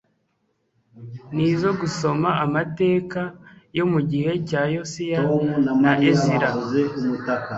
n'izo gusoma amateka yo mu gihe cya Yosiya na Ezira-,